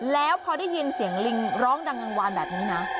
แล้วพอได้ยินเสียงลิงร้องดังกลางวานแบบนี้นะ